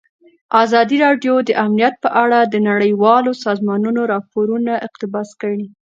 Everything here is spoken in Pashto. ازادي راډیو د امنیت په اړه د نړیوالو سازمانونو راپورونه اقتباس کړي.